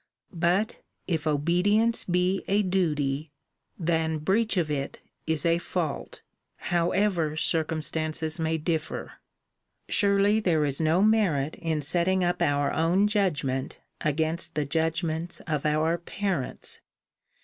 But, if obedience be a duty, the breach of it is a fault, however circumstances may differ. Surely there is no merit in setting up our own judgment against the judgments of our parents.